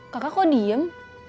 kakak kok diem